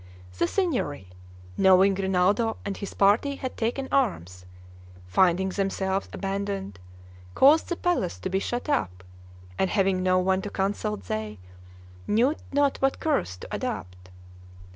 The Signory, knowing Rinaldo and his party had taken arms, finding themselves abandoned, caused the palace to be shut up, and having no one to consult they knew not what course to adopt.